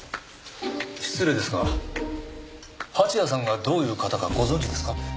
失礼ですが蜂矢さんがどういう方かご存じですか？